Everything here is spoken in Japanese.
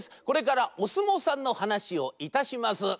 これからおすもうさんのはなしをいたします。